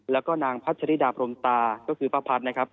แล้วก็นางพัชริดาพรมตาก็คือป้าพัดนะครับ